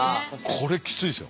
これきついですよ。